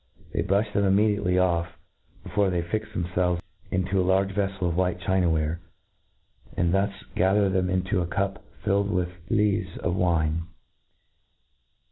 They brufh them immediately off, before they fix themfelves, into a large ycffel of white china ware, and thence gather them into a cup filled with the lees of wine.